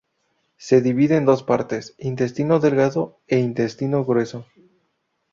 Se divide en dos partes: intestino delgado e intestino grueso.